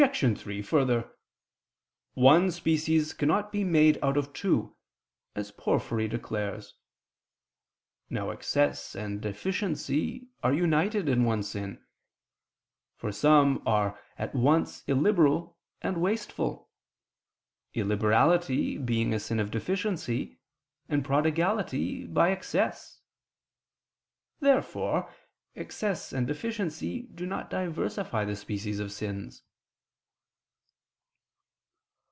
3: Further, "one species cannot be made out of two," as Porphyry declares [*Isagog.; cf. Arist. Metaph. i]. Now excess and deficiency are united in one sin; for some are at once illiberal and wasteful illiberality being a sin of deficiency, and prodigality, by excess. Therefore excess and deficiency do not diversify the species of sins.